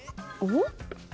おっ。